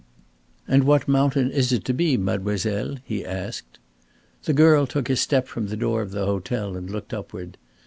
"And what mountain is it to be, mademoiselle?" he asked. The girl took a step from the door of the hotel and looked upward.